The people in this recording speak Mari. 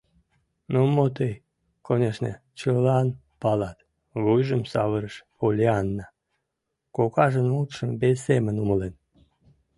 — Ну мо тый, конешне, чылан палат, — вуйжым савырыш Поллианна, кокажын мутшым вес семын умылен.